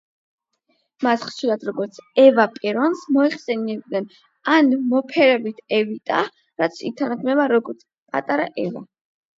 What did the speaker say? მას ხშირად როგორც ევა პერონს მოიხსენიებდნენ ან მოფერებით ევიტა, რაც ითარგმნება როგორც „პატარა ევა“.